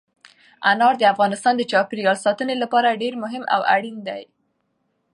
انار د افغانستان د چاپیریال ساتنې لپاره ډېر مهم او اړین دي.